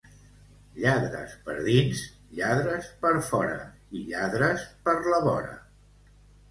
Lladres per dins, lladres per fora i lladres per la vora.